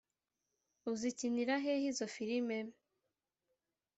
uzikinira hehe izo firime?